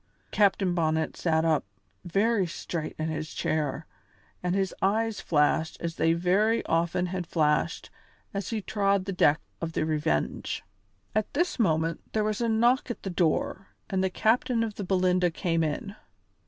And Captain Bonnet sat up very straight in his chair and his eyes flashed as they very often had flashed as he trod the deck of the Revenge. At this moment there was a knock at the door and the captain of the Belinda came in.